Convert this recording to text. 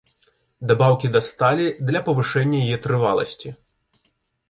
Дабаўкі да сталі для павышэння яе трываласці.